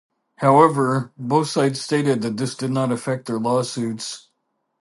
However, both sides stated that this did not affect their lawsuits.